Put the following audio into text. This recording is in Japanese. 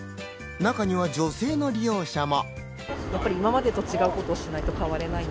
中には女性の利用者も。